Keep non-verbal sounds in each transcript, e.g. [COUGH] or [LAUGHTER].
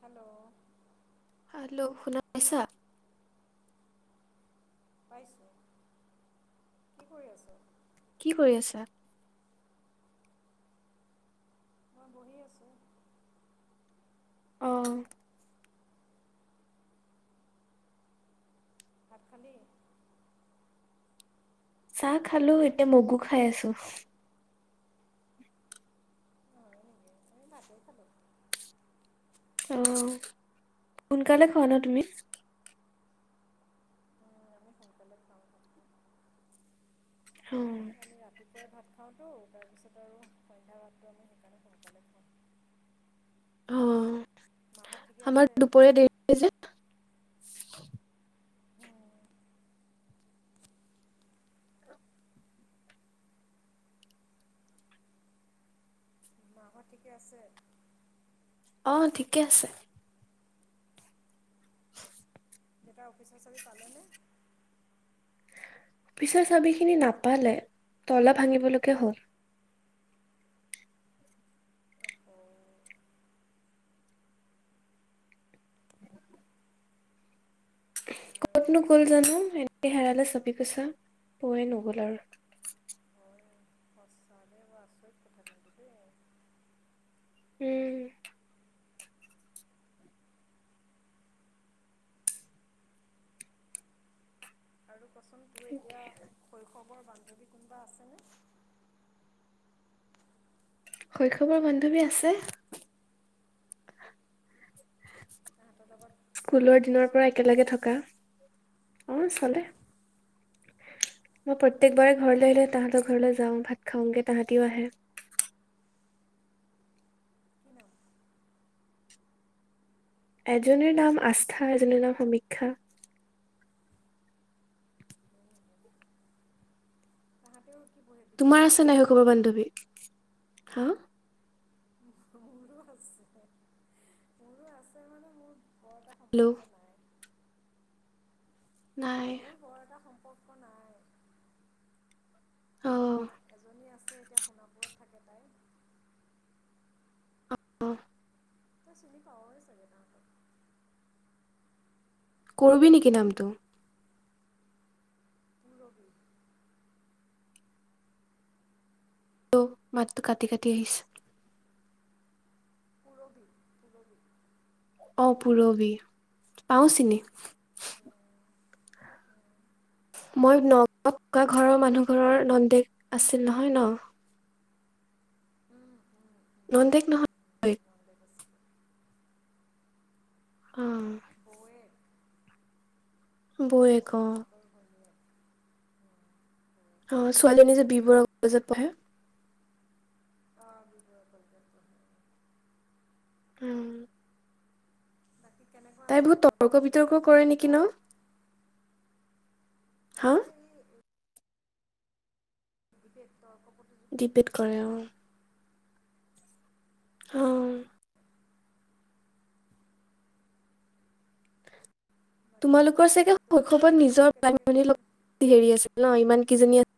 Hello hello শুনা পাইছা। পাইছোঁ, কি কৰি আছো। কি কৰি আছা? মই বহি আছোঁ। অ'। ভাত খালি। চাহ খালো এতিয়া মগু খাই আছো। অ' হয়নেকি আমি ভাতেই খালো। অ' সোনকালে খোৱা ন তুমি। অ' আমি সোনকাল খাওঁ। ভাতটো অ' আমি ৰাতিপুৱাই ভাত খাওঁতো। তাৰপিছত আৰু সন্ধ্যা ভাতটো আমি সেইকাৰণে সোনকালে খাওঁ। অ' মাহঁত ঠিকে আমাৰ আছে দুপৰীয়া দেৰি যে। অ', মাহৰ ঠিকে আছে? অঁ ঠিকে আছে। দেতাৰ অফিচৰ চাবি পালেনে? পিছৰ চাবি খিনি নাপালে তলা ভাঙিবলৈকে হ'ল। আকৌ উ [UNINTELLIGIBLE] কত বাৰু। নগ'ল জানো এনে হেৰালে আৰু চবি কৈছা পয়ে নগল আৰু মছানে আছ কথা দেই। উম',। আৰু কচোন তোৰ এতিয়া শৈশৱৰ বান্ধৱী কোনোবা আছেনে? শৈশৱৰ বান্ধৱী আছে। তাহাঁতৰ লগত কথা স্কুলৰ বতৰা দিনৰ পৰা চলেনে একেলগে থকা। অ' চলে মই প্ৰত্য়েকবাৰে নাম ঘৰলৈ কি আহিলে বাৰু তাহতৰ ঘৰলৈ যাওঁ ভাত খাওঁগে তাহাঁতিও আহে। কি নাম এজীৰ নাম আস্থা এজীৰ নাম সমীক্ষা। তাহাঁতেও কি পঢ়ে ডিগ্ৰী তোমাৰ পঢ়ি আছে নাই আছেনে শৈশৱৰ বান্ধৱী, হা! মোৰো আছে, মোৰো আছে মানে, মোৰ বৰ এটা হেল্ল' সম্পৰ্ক নাই। নাই মোৰ বৰ এটা সম্পৰ্ক নাই। অ মোৰ এজনী আছে, এতিয়া শুনা পুৰত থাকে তাই। অ', উম্। তই চিনি পাৱই চাগে তাহাঁতক। কৰবি নেকি নামটো? পূৰবী। ত', মাতটো কাটি কাটি আহিছে। পূৰবি পূৰবি। অ', পূৰবি, পাওঁ চিনি। মই নগাঁৱত থকা ঘৰৰ মানুহ ঘৰৰ নন্দেক আছিল নহয়, ন'! নন্দেক নহয়। বৌৱেক নন্দেক আছিল। অ'। বৌৱেক বৌৱেক অ ককায়েকৰ ভনীয়েক। অ', ছোৱালীজনী যে বি বৰুৱা কলেজত পঢ়ে। অ', বি বৰুৱা কলেজত পঢ়ে। উম। ঠিক কেনেকুৱা তাই বহুত আছিলে তৰ্ক তহঁতৰ বিতৰ্ক কৰে শৈশৱটো, নেকি কিবা ন অ', হা তাই এই ডিবেট তৰ্ক প্ৰ ডিবেট কৰে, অ'। অ'। ডিবেট বাকী তোমালোকৰ চাগে তহঁতৰ শৈশৱত শৈশৱ নিজৰ বাই কেনেকৈ ভনী গৈছিলে লগত হেৰি আছিল ন', ইমান কেইজনী আ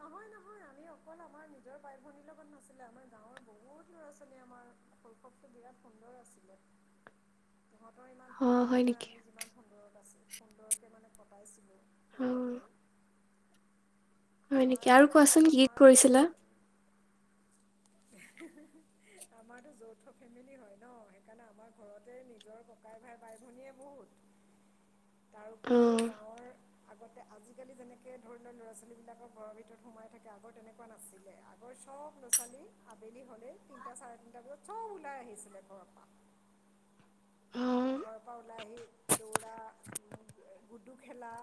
নহয়, নহয়, আমি অকল আমাৰ নিজৰ বাই ভনীৰ লগত নাছিলে, আমাৰ গাঁৱৰ বহুত ল'ৰা ছোৱালী আমাৰ শৈশৱটো বিৰাট সুন্দৰ আছিলে। তহঁতৰ ইমান আছিল অ সুন্দৰ হয় নহয়, নেকি আমি যিমান সুন্দৰত আছো, সুন্দৰকে মানে কটাইছিলোঁ। অ শৈশৱটো। হয় নেকি আমাৰ, আৰু কোৱাচোন অকল কি আমাৰটোৱে কৰিছিলা হে, হে, হে, হে, আমাৰতো যৌথ ফেমিলি হয় ন', সেইকাৰণে আমাৰ ঘৰতে নিজৰ বাই, ভাই, বাই, ভনীয়ে বহুত। অ তাৰোপৰিও, গাঁৱৰ আগতে আজিকালি যেনেকৈ ধৰি লওঁক, ল'ৰা ছোৱালীবিলাকক ঘৰৰ ভিতৰত সোমাই থাকে, আগৰ তেনেকুৱা নাছিলে। আগৰ চব ল'ৰা ছোৱালী আবেলি হ'লেই তিনিটা চাৰে তিনিটা বজাত চব ওলাই আহিছিলে ঘৰৰ পা। উম। ঘৰৰ পৰা ওলাই আহি, দৌৰা, গুডু খেলা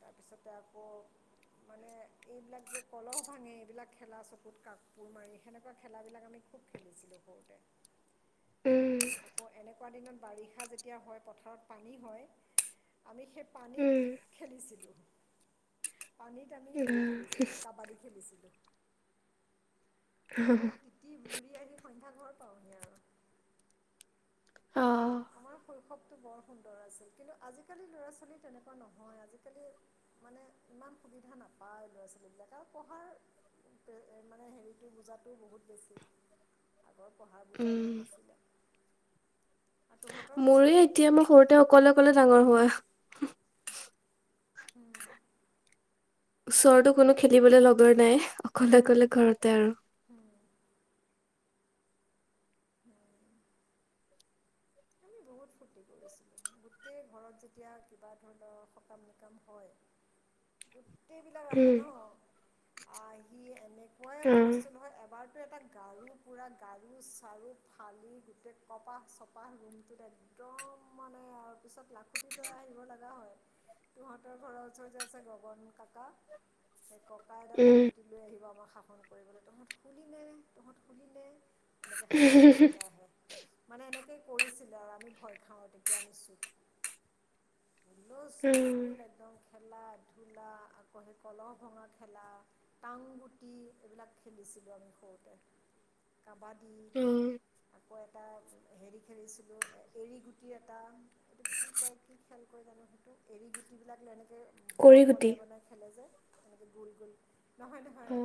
তাৰপিছতে আকৌ মানে এইবিলাক যে কলহ ভাঙে, এইবিলাক খেলা চকুত কাপোৰ মাৰি, সেনেকুৱা খেলাবিলাক আমি খুব খেলিছিলোঁ সৰুতে। উম আকৌ এনেকুৱা দিনত বাৰিষা যেতিয়া হয়, পথাৰত পানী হয়, আমি সে পানীত খেলিছিলোঁ। পানীত আমি হেৰি উম খেলিছিলোঁ, কাবাডী খেলিছিলোঁ। একদম তিতি ভুৰি আহি সন্ধ্যা ঘৰ পাওঁহি আৰু। অ'। আমাৰ শৈশৱটো বৰ সুন্দৰ আছিল। কিন্তু আজিকালি ল'ৰা ছোৱালী তেনেকুৱা নহয়। আজিকালি মানে ইমান সুবিধা নাপায় ল'ৰা ছোৱালীবিলাক আৰু পঢ়াৰ মানে হেৰিটো বুজাতটো বহুত বেছি আগৰ পঢ়া বুজা উম ইমান নাছিলে, আৰু তহঁতৰ কচোন মোৰে তোৰ এতিয়া মই শৈশৱ সৰুতে অকলে অকলে ডাঙৰ হোৱা। উম, ওচৰতো কোনো খেলিবলৈ লগৰ নাই অকলে অকলে ঘৰতে আৰু। উম, হু, বহুত ফূৰ্তি কৰিছিলোঁ। গোটেই ঘৰত যেতিয়া কিবা ধৰণৰ সকাম নিকাম হয়, গোটেই বিলাক আহে উম ন আহ আহি এনেকুৱাই অ হুলস্থুল হয় এবাৰ টো এটা গাৰু পুৰা গাৰু চাৰু ফালি গোটেই কপাহ চপাহ ৰুমটোত একদম মানে আৰু পিছত লাখুটি লৈ আহিব লগা হয়। তহঁতৰ ঘৰৰ ওচৰততে আছে গগন কাকা, সেই ককাই এডাল উম লাখুঁটি লৈ আহিব আমাৰ শাসন কৰিবলৈ তহঁত খুলিনে তহঁত খুলিনে। এনেকৈ শাসন কৰিবলৈ আহে মানে এনেকেই কৰিছিলো আৰু আমি ভয় খাওঁ তেতিয়া নিছোঁ। ধুলজ উম ধল একদম খেলা ধূলা আকৌ সেই কলহ ভঙা খেলা। টংগুটি এইবিলাক খেলিছিলোঁ আমি সৰুতে। কাবাডী উম আকৌ এটা হেৰি খেলিছিলোঁ এৰি গুটি এটা এইটো কি কয় কি খেল কৰেয় জানো সেইটো এৰী গুটিবিলাক এনেকৈ কৰি ব্লগ গুটি বনাই বনাই খেলে যে তেনেকৈ গোল গোল নহয় নহয় অ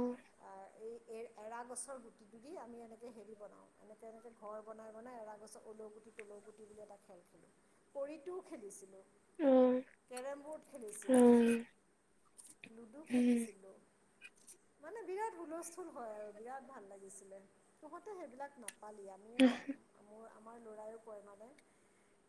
এই এ এৰা গছৰ গুটিটোুলি আমি এনেকৈ হেৰি বনাওঁ এনেকৈ এনেকৈ ঘৰ বনাই বনাই এৰা গছৰ 'লৌ গুটি তৰ গুটি বুলি এটা খেল খেলোঁ কৰিটো খেলিছিলো অ কেৰ্ অ খেলিছিলো লুডু উম খেলিছিলোঁ। মানে বিৰাট হুলস্থুল হয় আৰু বিৰাট ভাল লাগিছিলে তহঁতে সেইবিলাক নাপাল ইয়াত। উ, মোৰ আমাৰ ল'ৰা কমানে,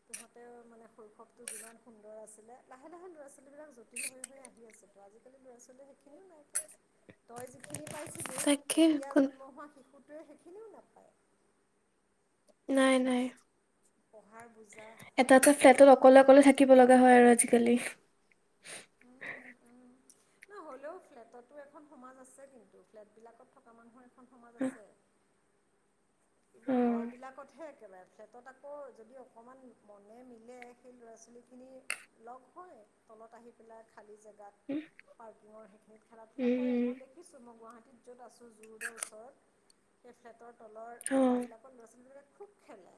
তহঁতেও মানে শৈশৱটো যিমান সুন্দৰ আছিলে লাহে লাহে ল'ৰা ছোৱালীবিলাক জটিল হৈ হৈ আহি আছিল। ত আজিকালি ল'ৰা ছোৱালী সেইখিনিও নাই কিয় তই যিখিনি পাইছিলেই তাকে এতিয়া কোন জন্ম হোৱা শিশুটোৱে সেইখিনিও নাপায়। নাই, নাই, পঢ়াৰ বুজা এটা ফ্লেটত অকলে অকলে থাক শিকিব লগা হয় আৰু আজিকালি। উম, উম, ন হ'লেও ফ্লেটতো এখন সমাজ আছে কিন্তু ফ্লেট বিলাকত থকা মানুহৰ এখন সমাজ অ আছে। কিন্তু উম, ঘৰবিলাকতহে একো নাই। ফ্লেটত আকৌ যদি অকণমান মনে মিলে সেই ল'ৰা ছোৱালীখিনি লগ হয় তলত আহি পেলাই খালী জেগাত। পাৰ্কিঙৰ সেইখিনিত খেলা ধূলা কৰে উম, মই দেখিছোঁ মই গুৱাহাটীত যত আছোঁ জোৰদৰ ওচৰত সেই ফ্লেটৰ তলৰ অ অ জেগাবিলাকৰ ল'ৰা ছোৱালীবিলাক খুব খেলে।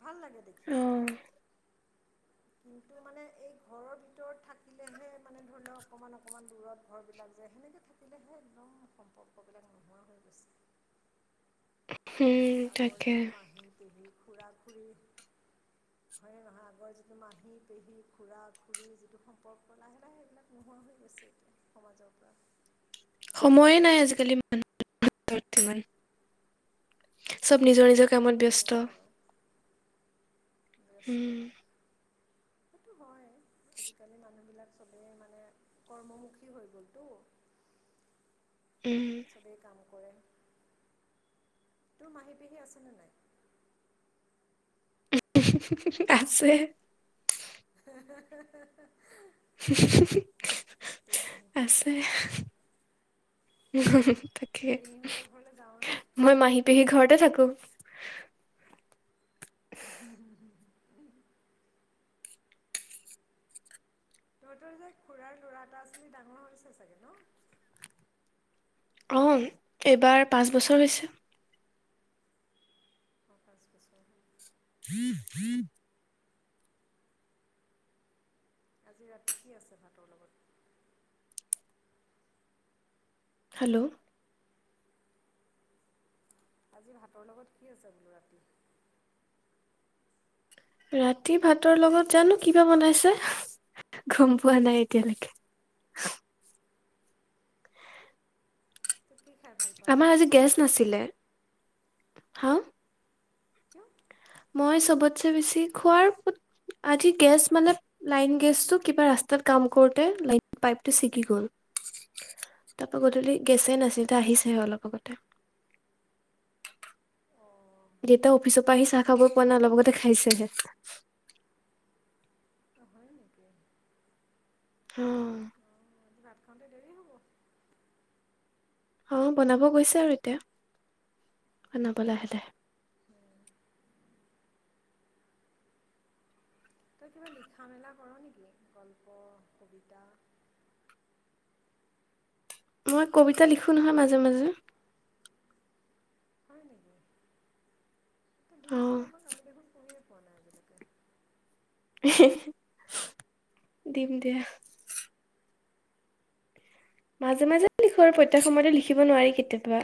ভাল লাগে দেখি। উম কিন্তু মানে এই ঘৰৰ ভিতৰত থাকিলেহে মানে ধৰি লওক অকণমান অকণমান দূৰত ঘৰবিলাক যায় সেনেকে থাকিলেহে একদম সম্পৰ্কবিলাক নোহোৱা হৈ গৈছে। আগতে আগৰ তাকে যিটো মাহী পেহী খুৰা খুৰী, হয়য নহয় আগৰ যিটো মাহী পেহী খুৰা খুৰী যিটো সম্পৰ্ক লাহে লাহ সেইবিলাক নোহোৱা হৈ গৈছে এতিয়া। সমাজৰ পৰা। সময়ে নাই আজিকালি মানুহৰ বৰ্তমান। চব নিজৰ নিজৰ কামত সময় নাই ব্যস্ত। কাৰো ব্যস্ত। উম সেইটো হয় আজিকালি মানুহবিলাক চবেই মানে কৰ্মমুখী হৈ গ'লতো। উম। চবেই কাম কৰে, তোৰ মাহী পেহী আছেনে নাই? আছে। হে হে [UNINTELLIGIBLE] [UNINTELLIGIBLE] ময়ে আছে হয় তাকে, পেহীহঁতৰ ঘৰলৈ যাওঁনে মই মাহী পেহী ঘৰতে থাকো। উম হম। তহঁতৰ যে খুুৰাৰ ল'ৰা এটা আছিলে ডাঙৰ হৈছে চাগে ন? অ' এইবাৰ পাঁচ বছৰ হৈছে। অ' পাঁচ বছৰ। [INAUDIBLE] আজি ৰাতি কি আছে ভাতৰ লগত? হেল্ল' আজি ভাতৰ লগত কি আছে বোলো ৰাতি। ৰাতি ভাতৰ লগত জানো কিবা বনাইছে, গম পোৱা নাই এতিয়ালৈকে। তোৰ কি খাই ভাল পাওঁ আমাৰ আজি চবতছে গেছ বেছি নাছিলে, হা কিয় মই কিয়? চবতছে বেছি খোৱাৰ, আজি গেছ মানে লাইন গেছটো কিবা ৰাস্তাত কাম কৰোতে লাইন পাইপটো ছিগি গল। তাৰ পৰা, গধূলি গেছেই নাছিল অঁ আহিছেহে অলপ আগতে। অঁ যেতিয়া অফিচৰ পৰা আহি চাহ খাব পোৱা নাই লগতে খাইছোহে। অ' হয় নেকি? অ'। অঁ ভাত খাওঁতে দেৰি হ'ব। অ' বনাব গৈছে আৰু এতিয়া, বনাব লাহে লাহে। উম, তই কিবা লিখা মেলা কৰ নেকি গল্প কবিতা? মই কবিতা লিখোঁ নহয়, মাজে মাজে। হয় নেকি? তই অ দিবিচোন আমাক আমি দেখোন পঢ়িয়ে পোৱা নাই আজিলৈকে। দিম দিয়া। মাজে মাজে লিখো আৰু প্ৰত্যেক সময়তে লিখিব নোৱাৰি, কেতিয়াবা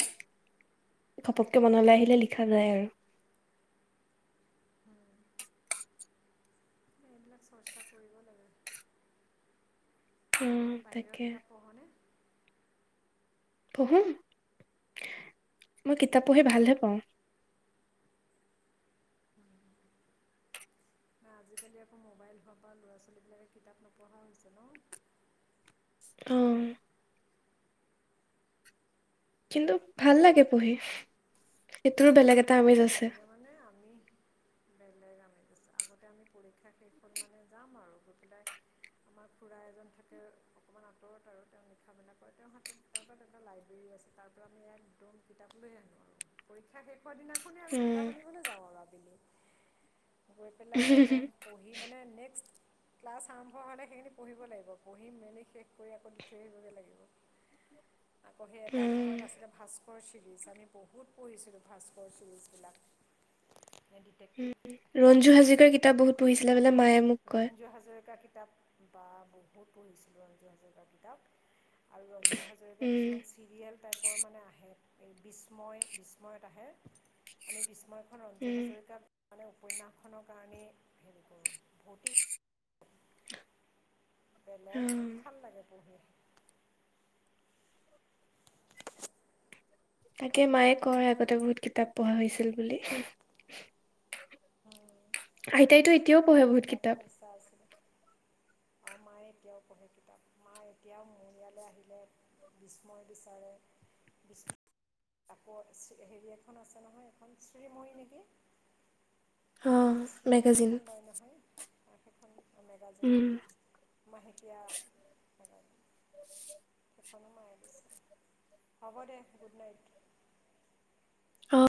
গপককে মনলৈ আহিলে হুম লিখা হুম যায় আৰু। হুম। সেইবিলাক চৰ্চা কৰিব লাগে। উম বাহিৰৰ তাকে কিতাপ পঢ়নে? পঢ়ো, মই কিতাপ পঢ়ি ভালহে পাওঁ। ন আজিকালি আকৌ মোবাইল হোৱাৰ পৰা ল'ৰা ছোৱালীবিলাকে কিতাপ নপঢ়া হৈছে ন। অ'। কিন্তু ভাল লাগে পঢ়ি, সিটো বেলেগ এটা আমেজ ভাল আছে লাগে মানে আমি বেলেগলেগ আমি গৈছোঁ আগতে আমি পৰীক্ষা শেষ হ'ল মানে যাম আৰু গৈ পেলাই আমাক খোৰা এজন থাকে অকণমান আঁতৰত আৰু তেওঁ লিখা মেলা কৰে, তেওঁৰ হাতত তেওঁৰ পৰা এটা লাইব্ৰেৰী আছে তাৰপৰা আমি ইয়াত ত কিতাপ লৈ আনো আৰু, পৰীক্ষা সেষ পৰিক্ষা দিনাখনে আমি উম কিতাপ আনিবলৈ যাওঁ আৰু আবেলি গৈ পেলাই একদম পঢ়ি মানে নেক্সট ক্লাছ আৰম্ভ হ'লে সেইখিনি পঢ়িব লাগিবঢ়ি মেইলি শেষ কৰি আকৌ দি থৈ আহিবগৈ লাগিব। আকৌ সেই এটা উম সময়ত আছিলে ভাস্কৰ চিৰিজ আমি বহুত পঢ়িছিলো। ভাস্কৰ চিৰিজবিলাক। ডিটেক্টিভ কিতাপ ৰঞ্জু হাজৰিকাৰ কিতাপ বহুত পঢ়িছিলে ভাল বোলে মায়ে মোক পায় কয় ৰঞ্জু হাজৰিকাৰ কিতাপ। বা বহুত পঢ়িছিলোঁ ৰঞ্জু হাজৰিকাৰ কিতাপ, আৰু ৰঞ্জু হাজৰিকা উম কিছুমান চিৰিয়েল টাইপৰ মানে আহে, এই বিস্ময় বিস্ময়ত আহে। আমি বিস্ময়খন ৰঞ্জু উম হাজৰিকাত মানে উপন্যাসখনৰ কাৰণেই হেৰি কৰোঁ। ভৌতিক অ বেলেগ ভাল লাগে পঢ়ি। তাকে মায়ে কয়, আগতে বহুত কিতাপ পঢ়া হৈছিল বুলি। হয়। আইতাইতো এতিয়াও পঢ়ে খুব বহুত কিতাপৰ কিতাপ নিচা আছিলে। আৰু মায়ে এতিয়াও পঢ়ে কিতাপ। মা এতিয়াও মোৰ ইয়ালৈ আহিলে বিষ্ময় বিচাৰে। বিষ্ম আকৌ হেৰি এখন আছে নহয়, এখন শ্ৰীময়ী নেকি? অ শ্ৰীময়ী মেগাজিন এখন লয় নহয়। একেখন মেগাজিন উম মাহেকীয়া মেগাজিন। [INAUDIBLE] সেখনো মাৰি দিছো। হ'ব দে, গুড নাইট। অ